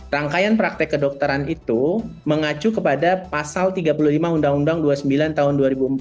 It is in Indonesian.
rangkaian praktek kedokteran itu mengacu kepada pasal tiga puluh lima undang undang dua puluh sembilan tahun dua ribu empat